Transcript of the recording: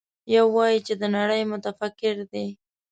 يو وايي چې د نړۍ متفکر دی.